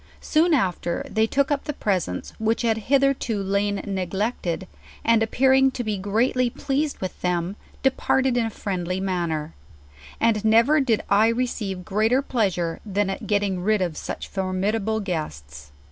Soon after they took up the presents, which had hitherto lain neglected, and appear ing to be greatly pleased with them, departed in a friendlj manner. And nerer did I receive greater pleasure than at getting rid of such formidable guests.